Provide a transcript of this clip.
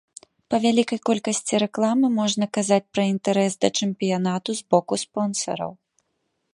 Па вялікай колькасці рэкламы можна казаць пра інтарэс да чэмпіянату з боку спонсараў.